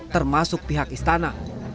termasuk pihak istana